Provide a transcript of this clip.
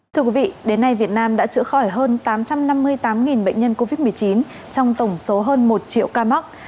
thưa quý vị đến nay việt nam đã chữa khỏi hơn tám trăm năm mươi tám bệnh nhân covid một mươi chín trong tổng số hơn một triệu ca mắc